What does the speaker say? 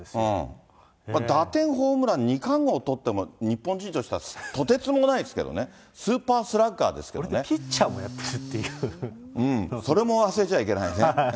打点、ホームラン、二冠王取っても日本人としたらとてつもないですけどね、スーパーこれでピッチャーもやってるそれも忘れちゃいけないね。